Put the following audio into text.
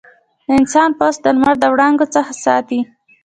د انسان پوست د لمر د وړانګو څخه ساتي.